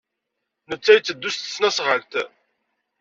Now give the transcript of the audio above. Netta yetteddu s tesnasɣalt.